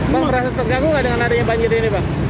pak merasa terganggu gak dengan adanya banjir ini pak